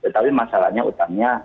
tapi masalahnya utangnya